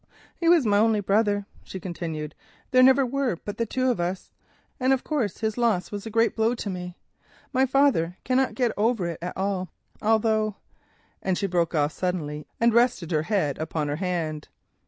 "He was my only brother," she continued; "there never were but we two, and of course his loss was a great blow to me. My father cannot get over it at all, although——" and she broke off suddenly, and rested her head upon her hand.